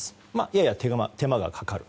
やや手間がかかる。